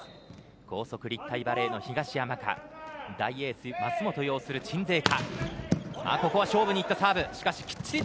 高速立体バレーの東山か大エース舛本擁する鎮西か。